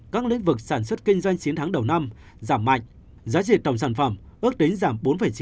các lĩnh vực sản xuất kinh doanh chín tháng đầu năm giảm mạnh giá trị tổng sản phẩm ước tính giảm bốn chín mươi tám